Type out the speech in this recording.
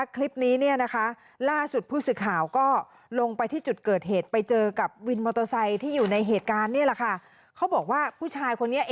คลิปนี้เนี่ยนะคะ